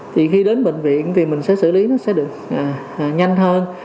thì khi đến bệnh viện thì mình sẽ xử lý nó sẽ được nhanh hơn